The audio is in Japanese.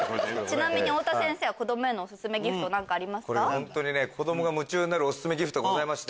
ちなみに太田先生は子どもへのおすすめギフトありますか？